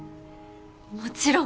もちろん。